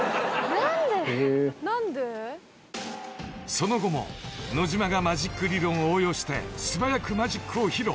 ［その後も野島がマジック理論を応用して素早くマジックを披露］